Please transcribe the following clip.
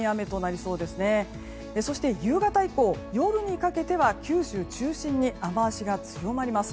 そして夕方以降夜にかけては九州中心に雨脚が強まります。